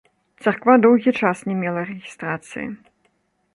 Царква доўгі час не мела рэгістрацыі.